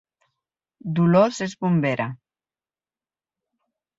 Dolors és bombera